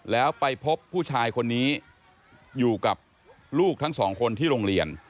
แล้วไปพบผู้ชายคนนี้อยู่กับลูกทั้งสองคนที่โรงเรียน